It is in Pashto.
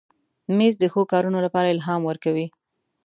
مېز د ښو کارونو لپاره الهام ورکوي.